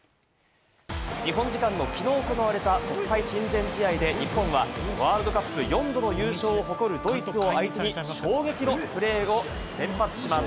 日本時間のきのう行われた国際親善試合で、日本はワールドカップ４度の優勝を誇るドイツを相手に衝撃のプレーを連発します。